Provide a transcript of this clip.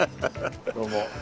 どうも。